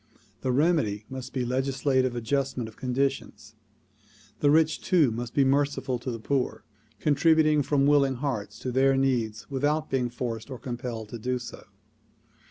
The remedy must be legis lative readjustment of conditions. The rich too must be merciful to the poor, contributing from willing hearts to their needs without being forced or compelled to do so.